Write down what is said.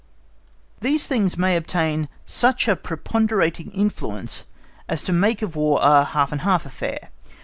These things may obtain such a preponderating influence as to make of War a half and half affair.